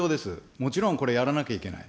もちろんこれやらなきゃいけない。